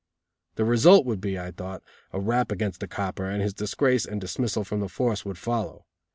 The result would be, I thought, a rap against the copper and his disgrace and dismissal from the force would follow.